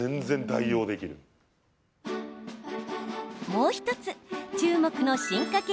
もう１つ注目の進化系